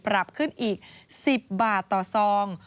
ปรับขึ้นอีก๑๐บาทต่อซอง